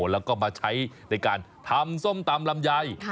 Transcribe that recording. แล้วก็มาใช้ในการทำส้มตำลำไย